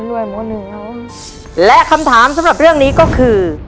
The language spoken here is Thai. รวยเหมาะหนึ่งน้องและคำถามสำหรับเรื่องนี้ก็คือ